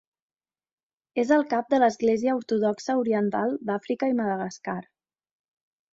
És el cap de l'Església Ortodoxa Oriental d'Àfrica i Madagascar.